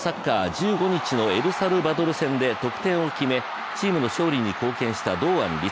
１５日のエルサルバドル戦で得点を決めチームの勝利に貢献した堂安律。